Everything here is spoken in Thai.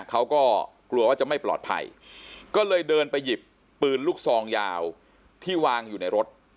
เขาก็กลัวว่าจะไม่ปลอดภัยก็เลยเดินไปหยิบปืนลูกซองยาวที่วางอยู่ในรถ